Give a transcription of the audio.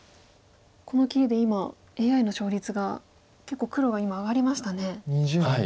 この切りで今ＡＩの勝率が結構黒が今上がりましたね。